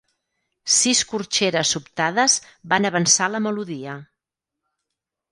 Sis corxeres sobtades van avançar la melodia.